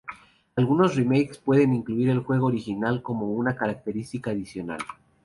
Algunos remakes pueden incluir el juego original como una característica adicional.